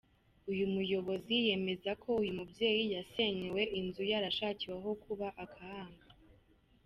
Uyu muyobozi yemeza ko uyu mubyeyi yasenyewe inzu, yarashakiwe aho kuba akahanga.